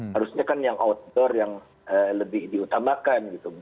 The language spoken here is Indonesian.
harusnya kan yang outdoor yang lebih diutamakan gitu